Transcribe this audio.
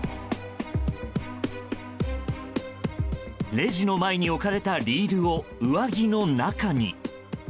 レジの前に置かれたリールを上着の中に。